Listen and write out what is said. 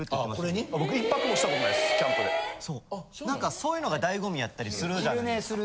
そういうのが醍醐味やったりするじゃないですか。